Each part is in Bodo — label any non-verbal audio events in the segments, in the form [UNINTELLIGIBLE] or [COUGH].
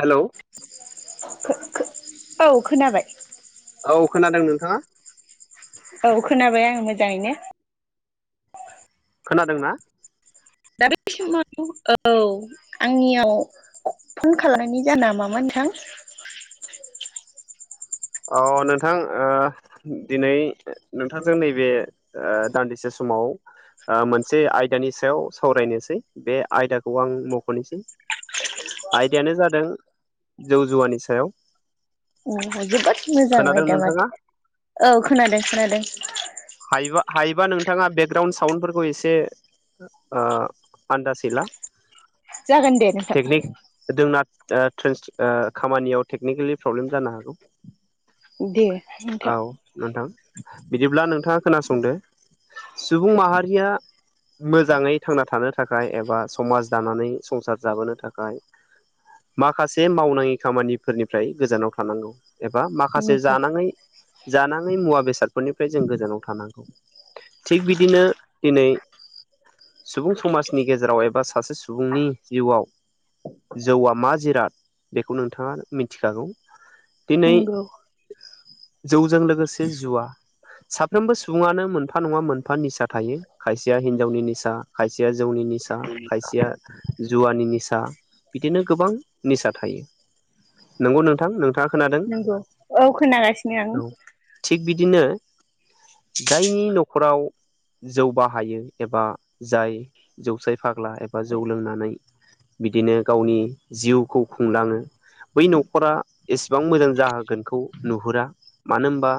हेलौ औ खोनाबाय औ खोनादों नोंथाङा औ खोनाबाय आं मोजाङैनो खोनादोंना दा बे समाव औ आंनियाव फन खालामनायनि जाहोना मामोन नोंथां अ नोंथां ओ दिनै नोंथांजों नैबे दानदिसे समाव ओ मोनसे आयदानि सायाव सावरायनोसै बे आयदाखौ आं मख'नोसै आयदायानो जादों जौ जुवानि सायाव जोबोद मोजां खोनादों आयदा नोंथाङा माथो औ खोनादों खोनादों हायोबा हायोबा नोंथांङा बेकग्राउड साउन्डफोरखौ एसे ओ आनदासै ला जागोन दे नोंथां टेकनिक जोंना ट्रेन्स खामानियाव टेकनिकेलि प्रब्लेम जानो हागौ। दे औ नोंथां नोंथां बिदिब्ला नोंथांङा खोनासंदो सुबुं माहारिया मोजाङै थांना थानो थाखाय एबा समाज दानानै संसार जाबोनो थाखाय माखासे मावनाङि खामानिफोरनिफ्राय गोजानाव थानांगौ एबा माखासे नंगौ जानाङै जानाङै मुवा बेसादफोरनिफ्राय जों गोजानाव थानांगौ थिग बिदिनो दिनै सुबुं समाजनि गेजेराव एबा सासे सुबुंनि जिउआव जौआ मा जिराद बेखौ नोंथाङा मिथिखागौ दिनै नंगौ जौजों लोगोसे जुवा साफ्रोमबो सुबुङानो मोनफा नंङा मोनफा निसा थायो खायसेया हिनजावनि निसा खायसेया जौनि निसा खायसेया जुवानि निसा बिदिनो गोबां निसा थायो नंगौ नोंथां नोंथांङा खोनादों नंगौ औ खोनागासिनो आं औ थिग बिदिनो जायनि न'खराव जौ बाहायो एबा जाय जौसाय फाग्ला एबा जौ लोंनानै बिदिनो गावनि जिउखौ खुंलांङो बै न'खरा एसेबां मोजां जाहोगोनखौ नुहुरा मानो होनबा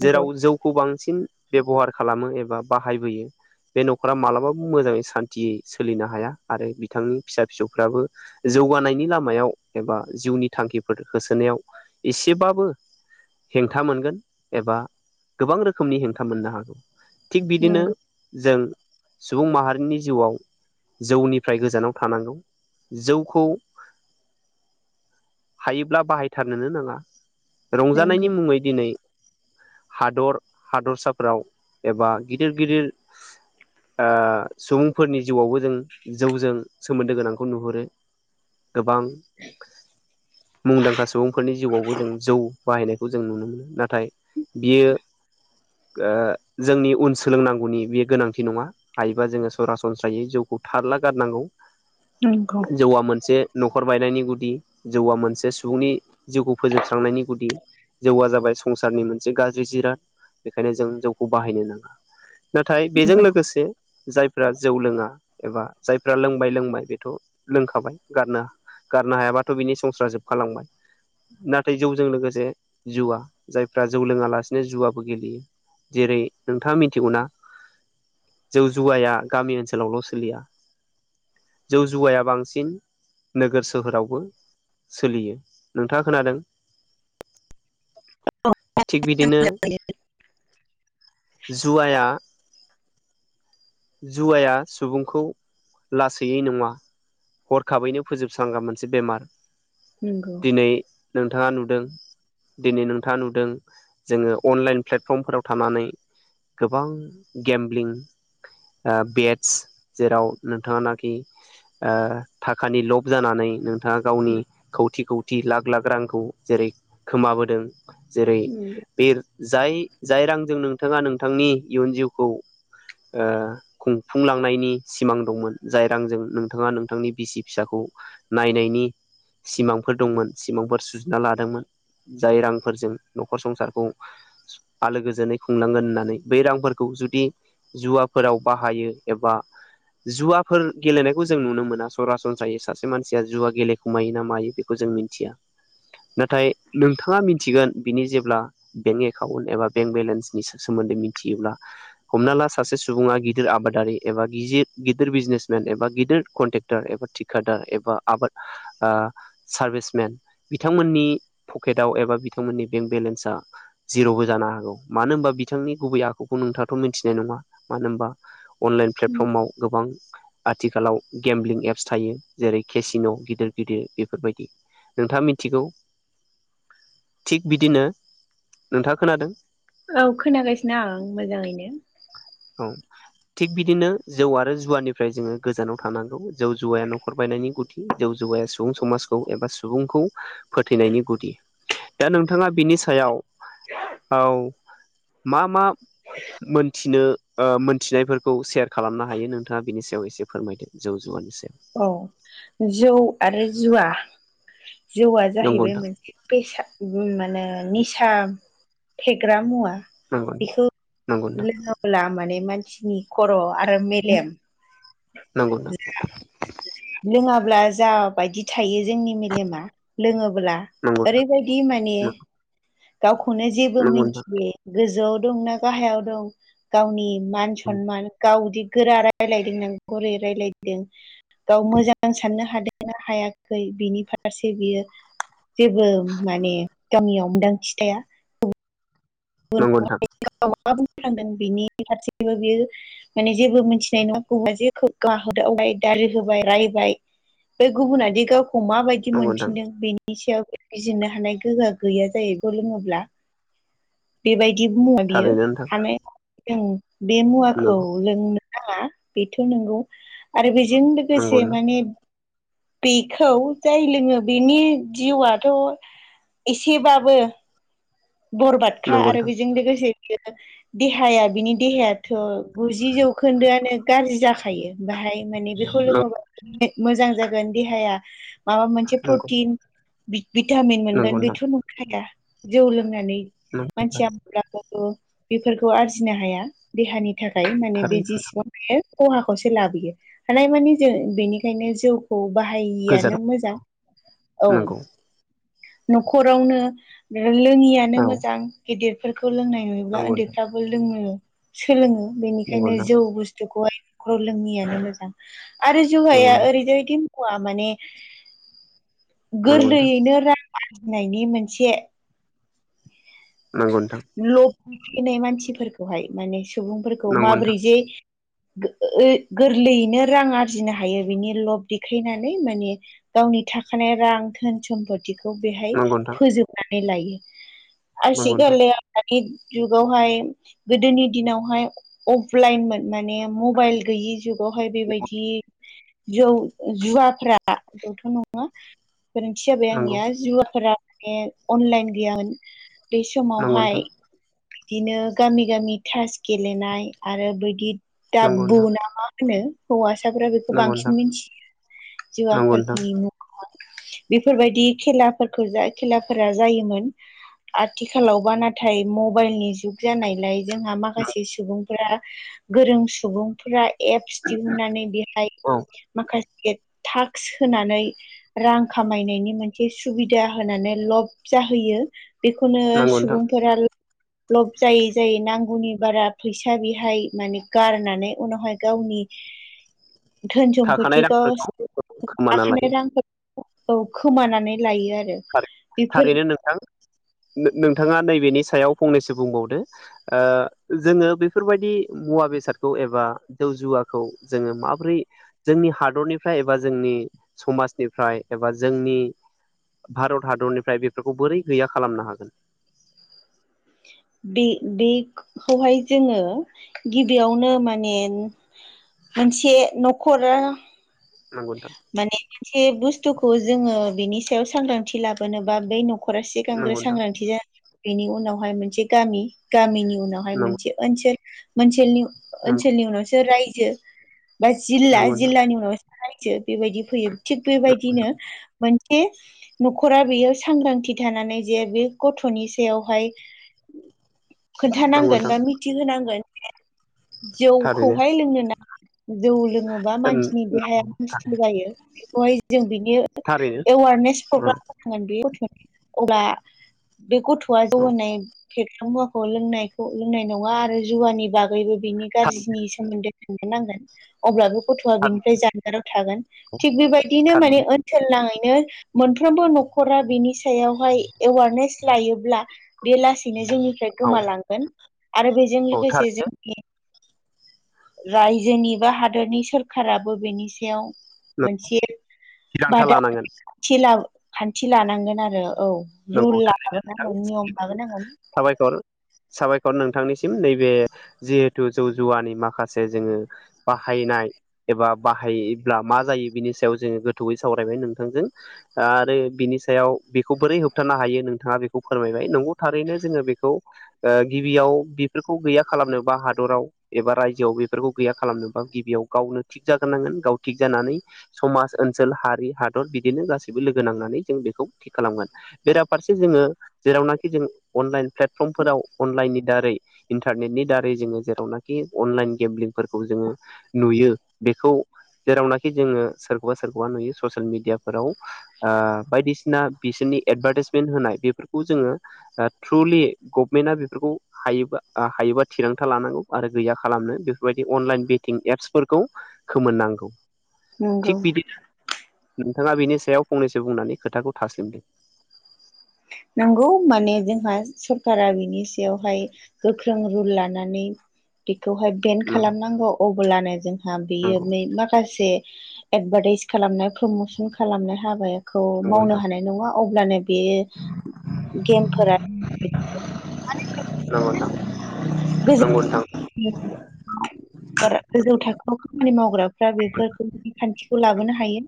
नंगौ जेराव जौखौ बांसिन बेबहार खालामो एबा बाहायबोयो बे नखरा मालाबाबो मोजांङै सानथियै सोलिनो हाया आरो बिथांनि फिसा फिसौफ्राबो जौगानायनि लामायाव एबा जिउनि थांखिफोर होसोनायाव एसेबाबो हेंथा मोनगोन एबा गोबां रोखोमनि हेंथा मोननो हागौ थिग बिदिनो नंगौ जों सुबुं माहारिनि जिउआव जौनिफ्राय गोजानाव थानांगौ जौखौ हायोब्ला बाहायथारनोनो नांङा नंगौ रंजानायनि मुंङै दिनै हादर हादरसाफोराव एबा गिदिर गिदिर सुबुंफोरनि जिउआवबो जों जौजों सोमोन्दो गोनांखौ नुहुरो गोबां मुंदांखा सुबुंफोरनि जिउवाबो जों जौ बाहायनायखौ जों नुनो मोनो नाथाय [UNINTELLIGIBLE] बियो जोंनि उन सोलोंनांगौनि बेयो गोनांथि नंङा हायोबा जोंङो सरासनस्रायै जौखौ थारला गारनांगौ नंगौ जौआ मोनसे न'खर बायनायनि गुदि जौआ मोनसे सुबुंनि जिउखौ फोजोबस्रांनायनि गुदि जौआ जाबाय संसारनि मोन मोनसे गाज्रि जिराद बेखायनो जों जौखौ बाहायनो नांङा नाथाय नंगौ बेजों लोगोसे जायफ्रा जौ लोङा एबा जायफ्रा लोंबाय लोंबाय बेथ' लोंखाबाय गारनो गारनो हायाबाथ' बिनि संसारा जोबखालांबाय नाथाय जौजों लोगोसे जुवा जायफ्रा जौ लोङालासिनो जुवाबो गेलेयो जेरै नोंथाङा मिथिगौना? जौ-जुवाया गामि ओनसोलावल' सोलिया जौ जुवाया बांसिन नोगोर सोहोरावबो सोलियो नोंथाङा खोनादों? थिग बिदिनो जुवाया जुवाया सुबुंखौ लासैयै नङा हरखाबैनो फोजोबस्रांग्रा मोनसे बेमार। नोंगौ। दिनै नोंथाङा नुदों। दिनै नोंथाङा नुदों जोङो अनलाइन प्लेटफर्मफोराव थानानै गोबां गेम्बिं ओ बेद्स जेराव नोंथाङानाखि ओ थाखानि लब जानानै नोंथाङा गावनि खौथि-खौथि लाख-लाख रांखौ जेरै खोमाबोदों। जेरै नंगौ बे जाय जाय रांजों नोंथाङा नोंथांनि इयुन जिउखौ ओ खुंफुंलांनायनि सिमां दंमोन जाय रांजों नोंथाङा नोंथांनि बिसि-फिसाखौ नायनायनि सिमांफोर दंमोन सिमांफोर सुजुना लादोंमोन जाय रांफोरजों न'खर संसारखौ आलो गोजोनै खुंनांगोन होननानै बै रांफोरखौ जुदि जुवाफोराव बाहायो एबा जुवाफोर गेलेनायखौ जों नुनो मोना सरासनस्रायै सासे मानसिया जुवा गेले खुमायोना मायो बेखौ जों मिथिया नाथाय नोंथाङा मिथिगोन बिनि जेब्ला बेंक एकाउन्ट एबा बेंक बेलेन्सनि सो- सोमोन्दै मिथियोब्ला हमना ला सासे सुबुङा गिदिर आबादारि एबा गिजिर गिदिर बिजनेसमेन एबा गिदिर कन्ट्रेक्टर एबा थिखादार एबा आबाद ओ सारभिसमेन बिथांमोननि पकेटाव एबा बिथांमोननि बेंक बेलेन्सा जिर'बो जानो हागौ मानो होनबा बिथांनि गुबै आखुखौ नोंथाङाथ' मिथिनाय नङा। मानो होनबा अनलाइन प्लेटफर्माव गोबां आथिखालाव गेमलिं एप्स थायो जेरै केसिन' गिदिर गिदिर बेफोर बायदि नोंथाङा मिथिगौ थिग बिदिनो नोंथाङ खोनादों? औ खोनागासिनो आं मोजाङैनो। औ। थिग बिदिनो जौ आरो जुवानिफ्राय जोङो गोजानाव थानांगौ जौ जुवाया न'खर बायनायनि गुदि जौ जुवाया सुबुं समाजखौ एबा सुबुंखौ फोथैनायनि गुदि दा नोंथाङा बिनि सायाव औ मा मा मोनथिनो ओ मोनथिनायफोरखौ सेयार खालामनो हायो नोंथाङा बिनि सायाव एसे फोरमायदो जौ-जुवानि सायाव। औ जौ आरो जुवा जौवा नंगौ जाहैबाय नोंथां मोनसे बेसाद मा नो निसा फेग्रा मुवा। नंगौ बेखौ नंगौ लोङोब्ला माने मानसिनि खर' आरो मेलेम नंगौ थां। लोङाब्ला जा बायदि थायो जोंनि मेलेमा लोङोब्ला नंगौ नोंथां ओरैबायदि माने गावखौनो जेबो नंगौ मिथियै गोजौआव दं ना गाहायाव दं गावनि मान-सनमान गावदि गोरा रायलायदों नों गुरै रायलायदों गाव मोजां साननो हादोंना हायाखै बिनि फारसे बियो जेबो माने गावयाव मोनदांथि थाया। नंगौ नोंथां नंगौ नोंथां नंगौ नोंथां गुबुनखौ मा बुंफ्लांगोन बिनि फारसेबो बियो माने जेबो मिथिनाय नङा गुबा जेखौ गाहोदावबाय दाारि होबाय रायबाय बे गुबुनादि गावखौ माबायदि बिदि मोनफिनदों बेनि सायाव गिरनो हानाय गोहा गैया जाहैग लोङोब्ला बेबायदि मुवा बियो थारैनो नोंथां हानाय जों बे मुवाखौ लोंनो बेथ' नंगौ आरो बेजों नंगौ नंगौ लोगोसे माने बेखौ जाय लोङो बिनि जिउआथ' एसेबाबो नोंथां बरबादखा नंगौ आरो नोंथां बेजों लोगोसे बियो देहाया बिनि देहायाथ' गुजि जौखोनदोयानो गाज्रि जाखायो बाहाय माने बेखौ लोङोबा मोजां जागोन देहाया माबा मोनसे नंगौ प्रटिन भिटामिन मोनगोन नंगौ बेथ' न खाया जौ लोंनानै नोंथां मानसिया मोनलाखौ [UNINTELLIGIBLE] बेफोरखौ आरजिनो हाया देहानि थाखाय माने बे थारैनो जेसेबां खहाखौसो लाबोयो हानाय मानि जों बेनिखायनो जौ खौ बाहायिआानो गोजानाव मोजां औ नंगौ न'खरावनो लोङियानो औ मोजां गिदिरफोरखौ लोंनाय नुयोब्ला नंगौ उनदैफ्राबो लोङो सोलोङो नंगौ बेनिखायनो नोंथां जौ बुसथुखौहाय न'खरयाव लोङियानो मोजां आरो जुवाया ओरैनो मखवा [UNINTELLIGIBLE] माने नंगौ नोंथां गोरलैयैनो रां आरजिनायनि मोनसे नंगौ लफायनाय मानसिफोरखौहाय माने सुबुंफोरखौ नोंथां माबोरै जे गोरलैयैनो रां आरजिनो हायो बिनि लब देखायनानै माने गावनि थाखानाय रां धोन सम्पतिखौ बेहाय नंगौ फोजोबनानै लायो नोंथां आसिखालि दानि जुगावहाय गोदोनि दिनावहाय अफलाइनमोन माने मबाइल गैयि जुग बेवहाय नंगौ बेबायदि जौ जुवाफ्रा जौथ' नङा गोरोन्थि जाबाय नोंथां आंनिया जुवाफोरा माने अनलाइन गैयामोन बे नंगौ समावहाय नोंथां बिदिनो गामि गामि थास गेलेनाय आरो बायदि नंगौ ाबु नोंथां नामा [UNINTELLIGIBLE] होनो हौवासाफोरा बेखौ नंगौ नंगौ नोंथां बांसिन मिथियो जुवा नंगौ नोंथां नंगौ नोंथां नंगौ नोंथां आफनि म [UNINTELLIGIBLE] बेफोरबायदि खेलाफोरखौ जा खेलाफोरा जायोमोन आथिखालावबा नाथाय मबाइलनि जुग जानायलाय जोंहा माखासे सुबुं फोरा गोरों सुबुंफोरा एप्स दिहुनन्नानै बेहाय औ माखासे तास्क होनानै रां खामायनायनि मोनसे सुबिदा होनानै लब जाहैयो बेखौनो नंगौ नोंथां सुबुंफोरा लब जायै जायै नांगौनि बारा फैसा बेहाय माने गारनानै उनावहाय गावनि [UNINTELLIGIBLE] धोन थाखानाय सम्फथिखौ रांफोरखौ खोमाना थाखानाय लायो रां औ खोमानानै लायो आरो बेफोर थारैनो नोंथां नोंथाङा नैबेनि सायाव फंनैसो बुंबावदो जोङो बेफोरबायदि मुवा बेसादखौ एबा जौ जुवाखौ जोङो माबोरै जोंनि हादरनिफ्राय एबा जोंनि समाजनिफ्राय एबा जोंनि भारत हादरनिफ्राय बेफोरखौ बोरै गैया खालामनो हागोन बे बेखौहाय जोङो गिबियावनो माने मोनसे न'खरा नंगौ नोंथां माने मोनसे बुसथुखौ जोङो बिनि सायाव सांग्रांथि लाबोनोबा बे नखर रा सिगांग्रो नंगौ नोंथां सांग्रांथि जाय़ बेनि उनावहाय मोनसे गामि गामिनि उनावहाय नंगौ मोनसे ओसोल मोनसे नंगौ ओनसोलनि उनावसो रायजो बा जिल्ला नंगौ नोंथां जिल्लानि उनाव रायजो बेबायदि फैयो थिग बेबायदिनो मोनसे न'खरा बेयो सांग्रांथि थानानै जे बे गथ'नि सायावहाय [INAUDIBLE] नंगौ खोन्थानांगोन नोंथां बा मिथिहोनांगोन थारैनो जौखौहाय लोंनो नाङा जौ लोङोबा मानसिनि देहाया नस्थ' जायो बेखौहाय जों बिनि थारैनो एवारनेस औ प्रग्राम [UNINTELLIGIBLE] अब्ला बे गथ'वा औ जौगानाय [UNINTELLIGIBLE] मुवाखौ लोंनायखौ लोंनाय नङा आरो जुवानि बागैबो बिनि थारैनो गाज्रिनि सोमोन्दै थानांगोन अब्लाबो गथ'आ बिनिफ्राय जानगाराव थागोन थिग बेबायदिनो माने थारैनो ओनसोलनाङैनो मोनफ्रोमबो न'खरा बिनि सायावहाय एवारनेस लायोब्ला बे लासैनो जोंनिफ्राय औ गोमालांगोन आरो बेजों औ लोगोसे थारैनो जोंनि रायजोनि बा हादोरनि सोरखाराबो बेनि सायाव मोनसे थिरांथा बादा लानांगोन खान्थि लानांगोन आरो औ नंगौ रुल थारैनो लाबोनांगोन नियम नोंथां लाबोनांगोन साबायखर साबायखर नोंथांनिसिम नैबे जिहेथु जौ जुवानि माखासे जोङो बाहायनाय एबा बाहायोब्ला मा जायो बिनि सायाव जोङो गोथौयै सावरायबाय नोंथांजों आरो बिनि सायाव बेखौ बोरै होब होबथानो हायो नोंथाङा बेखौ फोरमायबाय नंगौ थारैनो जोङो बेखौ ओ गिबियाव बेफोरखौ गैया खालामनोबा हादराव एबा रायजोआव बेफोरखौ गैया खालामनोबा गिबियाव गावनो थिग जाग्रोनांगोन गाव थिग जानानै समाज ओनसोल हारि हादर बिदिनो गासैबो लोगो नांनानै जों बेखौ थिग खालामगोन बेराफारसे जोङो जेरावनाखि जों अनलाइन प्लेटफर्मफोराव अनलाइननि दारै इन्टारनेटनि दारै जोङो जेरावनाखि अनलाइन गेमलिंफोरखौ जोङो नुयो बेखौ जेरावनाखि जोङो सोरखौबा सोरखौबा नुयो ससियेल मिडियाफोराव बायदिसिना बिसोरनि एडभार्टाइसमेन्ट होनाय बेफोरखौ जोङो थ्रुलि गभमेन्टआ बेफोरखौ हायोबा हायोबा थिरांथा लानांगौ आरो गैया खालामनो बेफोरबायदि अनलाइन [UNINTELLIGIBLE] एप्सफोरखौ खोमोननांगौ नंगौ थिग बिदिनो नोंथाङा बिनि सायाव फंनैसो बुंनानै खोथाखौ था [UNINTELLIGIBLE] नंगौ माने जोंहा सरकारा बिनि सायावहाय गोख्रों रुल लानानै बेखौहाय बेन् नंगौ खालामनांगौ अब्लानो जोंहा बियो नंगौ माखासे एडभारटाइस खालामनाय प्रमसन खालामनाय हाबाखौ नंगौ मावनो नोंथां हानाय नङा अब्लानो बेयो [INAUDIBLE] गेमफोरा [UNINTELLIGIBLE] नंगौ नोंथां नंगौ नोंथां [INAUDIBLE] गोजौ थाखोआव खामानि मावग्राफ्रा बेफोरखौ खान्थिखौ लाबोनो हायो